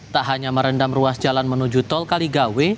tak hanya merendam ruas jalan menuju tol kaligawe